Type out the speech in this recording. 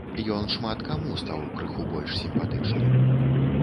Ён шмат каму стаў крыху больш сімпатычны.